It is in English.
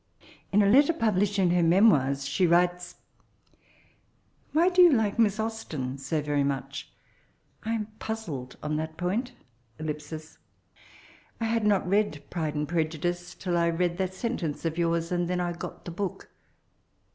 In a letter published in her memoirs she writes^ —^ Why do Jon like Miss Austen so very much ? am puzsled on that point ... I had not read Pride and Prejvdke tUl I read that sentence of yours, and then I got the book.